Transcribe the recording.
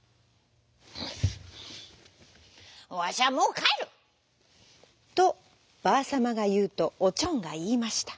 「わしはもうかえる」。とばあさまがいうとおちょんがいいました。